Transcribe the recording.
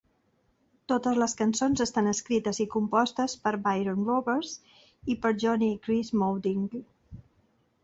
Totes les cançons estan escrites i compostes per Byron Roberts i per Jonny i Chris Maudling.